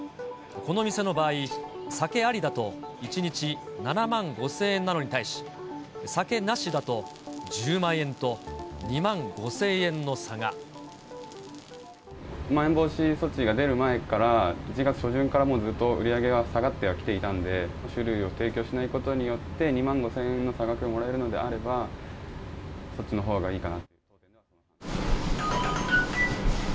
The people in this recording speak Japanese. この店の場合、酒ありだと、１日７万５０００円なのに対し、酒なしだと１０万円と、まん延防止措置が出る前から、１月初旬からもうずっと売り上げが下がってはきていたんで、酒類を提供しないことによって、２万５０００円の差額がもらえるのであれば、そっちのほうがいいかなと。